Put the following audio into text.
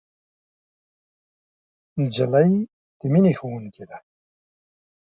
نجلۍ د مینې ښوونکې ده.